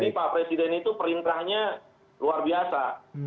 nah kalau presiden itu perintahnya luar biasa